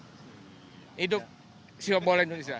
hidup sebab bola indonesia